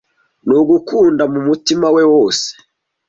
nugukunda mumutima we wose